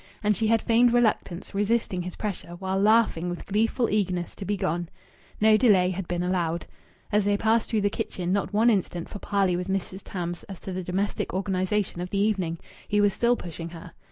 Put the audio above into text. And she had feigned reluctance, resisting his pressure, while laughing with gleeful eagerness to be gone. No delay had been allowed. As they passed through the kitchen, not one instant for parley with Mrs. Tams as to the domestic organization of the evening! He was still pushing her....